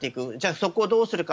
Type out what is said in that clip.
そこをどうするか。